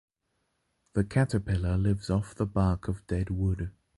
The caterpillar lives off the bark of dead wood.